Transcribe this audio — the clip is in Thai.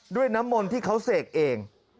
ด้วยน้ำมนต์ที่เขาเสกเอง